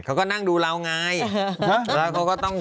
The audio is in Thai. เขาก็นั่งดูเราไงแล้วเขาก็ต้อง